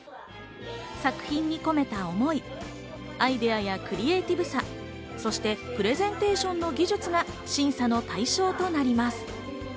作品に込めた思い、アイデアやクリエイティブさ、そしてＰＲＥＳＥＮＴＡＴＩＯＮの技術が審査の対象となります。